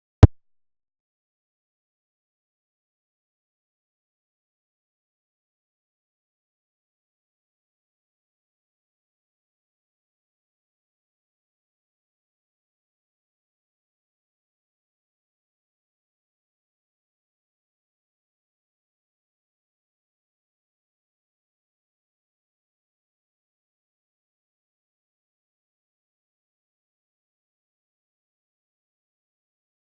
โปรดติดตามตอนต่อไป